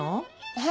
はい。